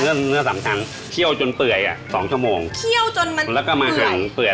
เนื้อเนื้อสำคัญเคี่ยวจนเปื่อยอ่ะสองชั่วโมงเคี่ยวจนมันเปื่อย